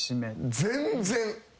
全然！